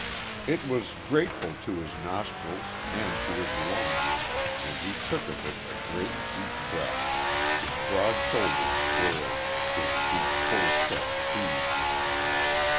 It was grateful to his nostrils, and to his lungs; and he took of it a great, deep breath. His broad shoulders squared; his deep, full chest heaved.